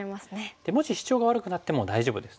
もしシチョウが悪くなっても大丈夫です。